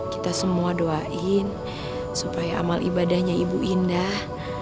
kita semua doain supaya amal ibadahnya ibu indah